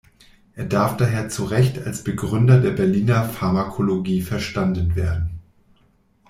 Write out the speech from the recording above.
Er darf daher zu Recht als Begründer der Berliner Pharmakologie verstanden werden.